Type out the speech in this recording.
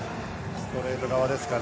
ストレート側ですかね。